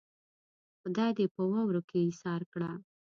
خدای دې په واورو کې ايسار کړه.